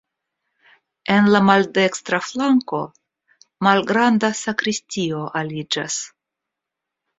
En la maldekstra flanko malgranda sakristio aliĝas.